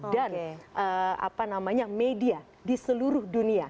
dan media di seluruh dunia